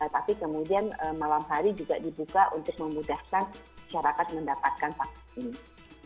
tapi kemudian malam hari juga dibuka untuk memudahkan masyarakat mendapatkan vaksin